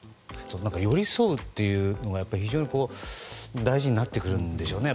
寄り添うというのが非常に大事になってくるんでしょうね